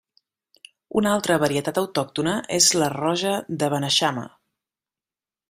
Una altra varietat autòctona és la Roja de Beneixama.